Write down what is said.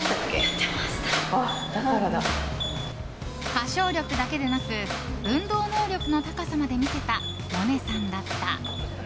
歌唱力だけでなく運動能力の高さまで見せた萌音さんだった。